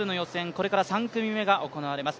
これから３組目が行われます。